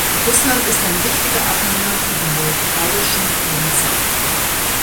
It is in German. Russland ist ein wichtiger Abnehmer für die moldauischen Winzer.